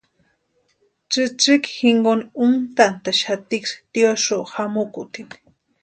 Tsïtsïki jinkoni úntantaxatiksï tiosu jamukutini.